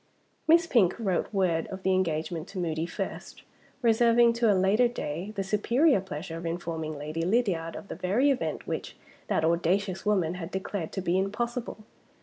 Miss Pink wrote word of the engagement to Moody first; reserving to a later day the superior pleasure of informing Lady Lydiard of the very event which that audacious woman had declared to be impossible.